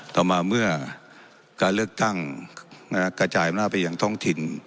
ต่อมาเมื่อการเลือกตั้งกระจายอำนาจไปยังท้องถิ่น